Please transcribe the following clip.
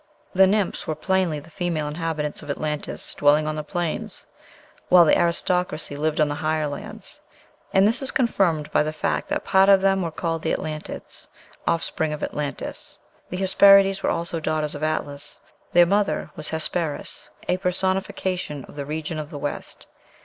The Nymphs were plainly the female inhabitants of Atlantis dwelling on the plains, while the aristocracy lived on the higher lands. And this is confirmed by the fact that part of them were called Atlantids, offspring of Atlantis. The Hesperides were also "daughters of Atlas;" their mother was Hesperis, a personification of "the region of the West."